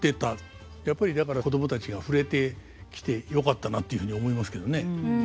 やっぱりだから子供たちが触れてきてよかったなっていうふうに思いますけどね。